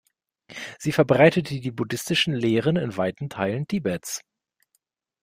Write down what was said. Sie verbreitete die buddhistischen Lehren in weiten Teilen Tibets.